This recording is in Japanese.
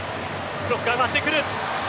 クロスが上がってくる。